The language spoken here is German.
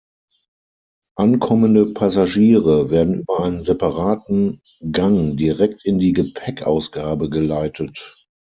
Ankommende Passagiere werden über einen separaten Gang direkt in die Gepäckausgabe geleitet.